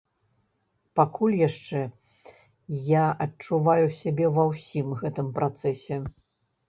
Пакуль яшчэ я адчуваю сябе ва ўсім гэтым працэсе.